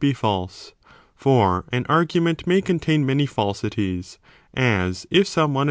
be false. For an argument may contain many falsities, as if some one.